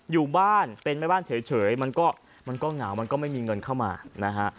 อยู่บ้านเป็นแม่บ้านเฉยมันก็มันก็เหงามันก็ไม่มีเงินเข้ามานะฮะ